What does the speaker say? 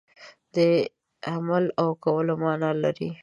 د عمل او کولو معنا لري.